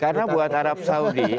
karena buat arab saudi